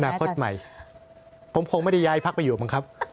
อนาคตใหม่ผมคงไม่ได้ย้ายภักดิ์อยู่มั้งครับ